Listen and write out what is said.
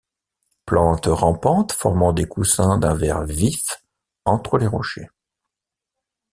Plante rampante formant des coussins d'un vert vif entre les rochers.